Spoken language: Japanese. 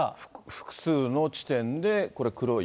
複数の地点でこれ、黒い。